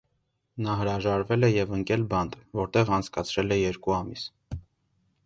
Նա հրաժարվել է և ընկել բանտ, որտեղ անցկացրել է երկու ամիս։